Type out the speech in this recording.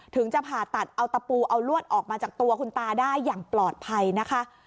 ถึงจะผ่าตัดเอาตะปูเอาลวดออกมาจากตัวคุณตาได้อย่างปลอดภัยนะคะ